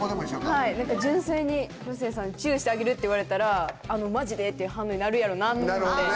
純粋に広末さんに「ちゅーしてあげる」って言われたらマジで？っていう反応になるやろなと思って。